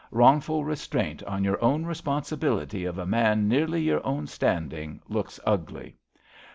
Wrongful restraint on your own responsibility of a man nearly your own standing looks ugly.